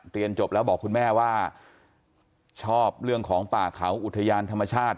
เรียนจบแล้วบอกคุณแม่ว่าชอบเรื่องของป่าเขาอุทยานธรรมชาติ